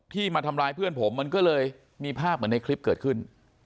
มาทำร้ายเพื่อนผมมันก็เลยมีภาพเหมือนในคลิปเกิดขึ้น